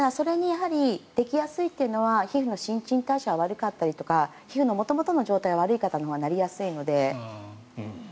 できやすいというのは皮膚の新陳代謝が悪かったりとか皮膚の元々の状態が悪い方がなりやすいので。